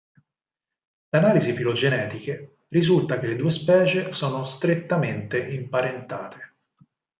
Da analisi filogenetiche risulta che le due specie sono strettamente imparentate.